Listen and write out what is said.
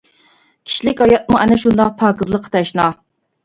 كىشىلىك ھاياتمۇ ئەنە شۇنداق پاكىزلىققا تەشنا!